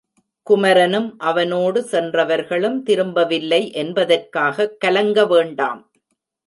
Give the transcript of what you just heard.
குமரனும் அவனோடு சென்றவர்களும் திரும்பவில்லை என்பதற்காகக் கலங்கவேண்டாம்.